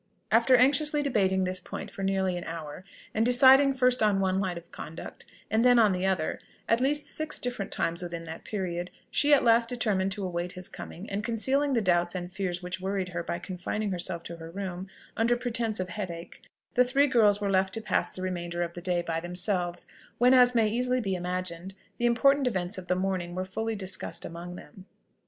After anxiously debiting this point for nearly an hour, and deciding first on one line of conduct, and then on the other, at least six different times within that period, she at last determined to await his coming; and concealing the doubts and fears which worried her by confining herself to her room under pretence of headach, the three girls were left to pass the remainder of the day by themselves, when, as may easily be imagined, the important events of the morning were fully discussed among them.